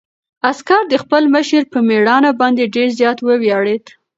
عسکر د خپل مشر په مېړانه باندې ډېر زیات وویاړېد.